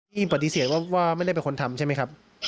ปฏิเสธว่าไม่ได้เป็นคนทำใช่ไหมครับ